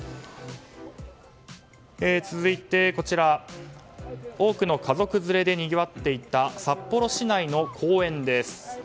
続いて、こちらは多くの家族連れでにぎわっていた札幌市内の公園です。